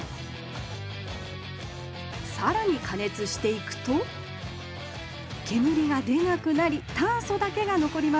さらにかねつしていくと煙がでなくなり炭素だけがのこります。